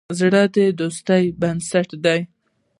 زړه د دوستی بنسټ دی.